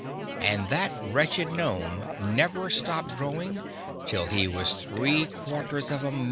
And that wretched gnome never stopped growing till he was three quarters of a mile high!